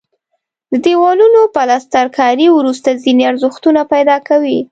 د دیوالونو پلستر کاري وروسته ځینې ارزښتونه پیدا کوي.